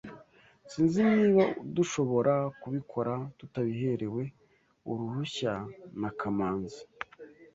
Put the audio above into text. Sinzi niba dushobora kubikora tutabiherewe uruhushya na Kamanzi